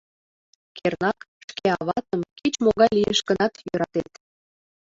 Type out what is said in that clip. — Кернак, шке аватым, кеч-могай лиеш гынат, йӧратет.